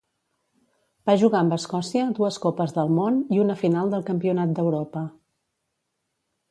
Va jugar amb Escòcia dues Copes del Món i una final del Campionat d'Europa.